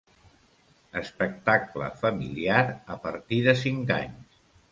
Espectacle familiar, a partir de cinc anys.